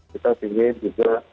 kita ingin juga